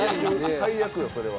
最悪や、それは。